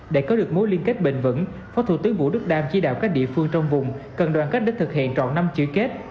để có được mối liên kết bền vững phó thủ tướng vũ đức đam chỉ đạo các địa phương trong vùng cần đoàn kết để thực hiện trọn năm chữ kết